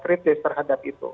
kritis terhadap itu